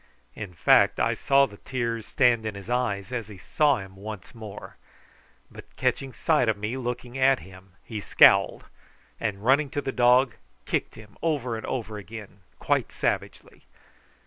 In fact I saw the tears stand in his eyes as he saw him once more; but catching sight of me looking at him he scowled, and, running to the dog, kicked him over and over again quite savagely.